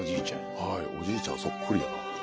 はいおじいちゃんそっくりやな。